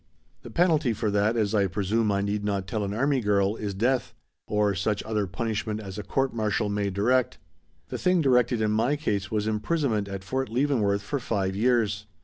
"The penalty for that, as I presume I need not tell an army girl, is death. 'Or such other punishment as a court martial may direct.' "The thing directed in my case was imprisonment at Fort Leavenworth for five years.